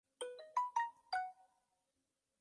La película ha recibido opiniones mixtas de críticos.